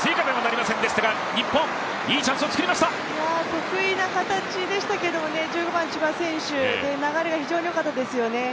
得意な形でしたけれども、１５番・千葉選手、流れが非常によかったですよね。